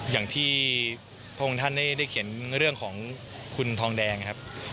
อย่างที่พระองค์ท่านได้เขียนเรื่องของคุณทองแดงครับ